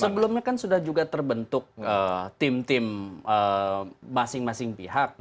sebelumnya kan sudah juga terbentuk tim tim masing masing pihak